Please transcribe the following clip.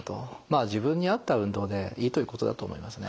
自分に合った運動でいいということだと思いますね。